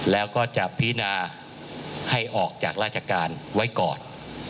แล้วก็จะพินาให้ออกจากราชการไว้ก่อน